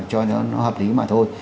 cho nó hợp lý mà thôi